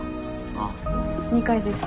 あっ２階です。